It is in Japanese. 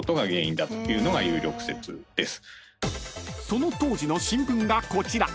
［その当時の新聞がこちら］